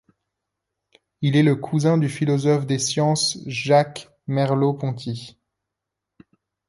Il est le cousin du philosophe des sciences Jacques Merleau-Ponty.